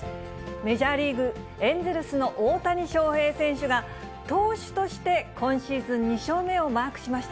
メジャーリーグ・エンゼルスの大谷翔平選手が、投手として、今シーズン２勝目をマークしまし